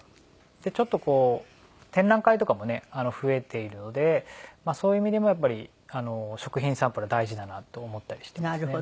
ちょっとこう展覧会とかもね増えているのでそういう意味でもやっぱり食品サンプルは大事だなと思ったりしていますね。